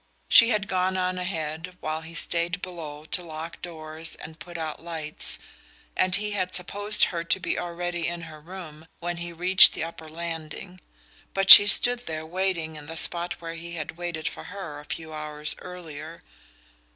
She had gone on ahead while he stayed below to lock doors and put out lights, and he had supposed her to be already in her room when he reached the upper landing; but she stood there waiting in the spot where he had waited for her a few hours earlier.